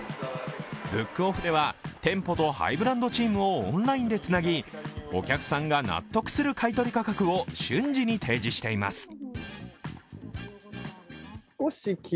ブックオフでは、店舗とハイブランドチームをオンラインでつなぎお客さんが納得する買い取り価格を瞬時に提示しています。